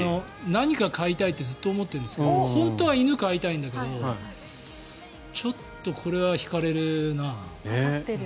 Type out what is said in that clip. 何か飼いたいってずっと思っているんですけど本当は犬を飼いたいんだけどちょっとこれは引かれるな。